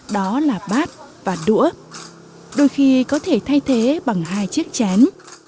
đó là bát và đũa đôi khi có thể thay thế bằng hai chiếc chén